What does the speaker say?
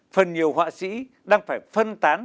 phần nhiều họa sĩ đang phải phân tán